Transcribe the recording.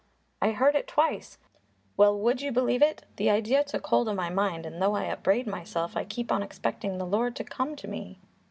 I heard it twice. Well, would you believe it? the idea took hold of my mind, and though I upbraid myself, I keep on expecting the Lord to come to me."